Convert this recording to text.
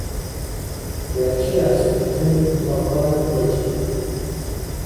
De aceea suntem în favoarea păcii.